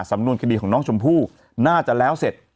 สำนวนคดีของน้องชมพู่น่าจะแล้วเสร็จ